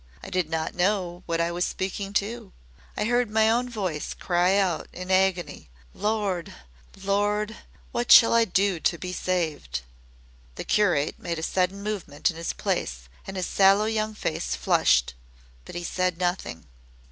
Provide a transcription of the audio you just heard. I did not know what I was speaking to. I heard my own voice cry out in agony, 'Lord, Lord, what shall I do to be saved?'" The curate made a sudden movement in his place and his sallow young face flushed. But he said nothing.